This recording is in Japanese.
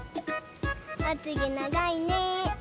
まつげながいね。